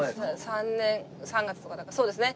３年３月とかだからそうですね。